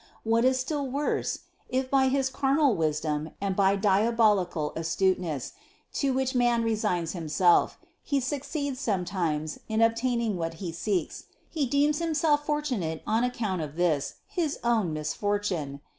What is still worse, if by his carnal wisdom and by diabolical astuteness to which man resigns him self, he succeeds sometimes in obtaining what he seeks, he deems himself fortunate on account of this, his own misfortune!